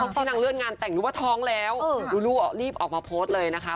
ที่นางเลื่อนงานแต่งรู้ว่าท้องแล้วลูรีบออกมาโพสต์เลยนะคะ